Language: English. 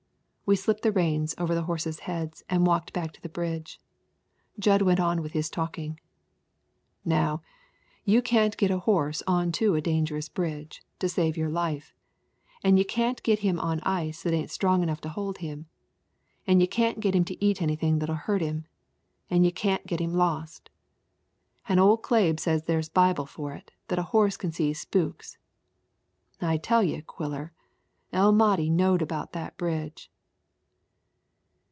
We slipped the reins over the horses' heads and walked back to the bridge. Jud went on with his talking. "Now, you can't get a horse on to a dangerous bridge, to save your life, an' you can't get him on ice that ain't strong enough to hold him, an' you can't get him to eat anything that'll hurt him, an' you can't get him lost. An' old Clabe says there's Bible for it that a horse can see spooks. I tell you, Quiller, El Mahdi knowed about that bridge."